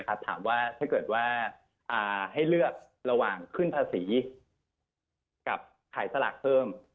ถ้าถามว่าให้เลือกระหว่างขึ้นภาษีกับขายสลักเพิ่ม